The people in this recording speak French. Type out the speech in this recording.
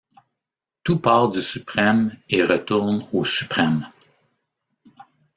Tout part du Suprême et retourne au Suprême.